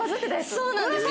そうなんですよ。